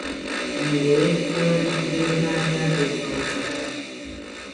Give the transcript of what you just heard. M wee kwụgharịgide n'ahịa Eke Awka